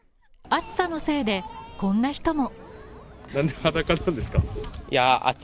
暑さのせいでこんな人も。